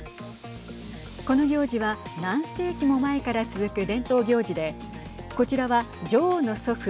この行事は何世紀も前から続く伝統行事でこちらは女王の祖父